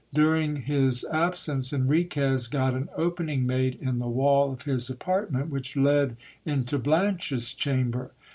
During his absence Enriquez got an opening made in the wall of his apartment, which led into Blanche's chamber.